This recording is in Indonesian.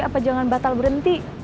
apa jangan batal berhenti